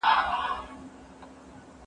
د دغه مبارک آيت د نزول سبب داوو.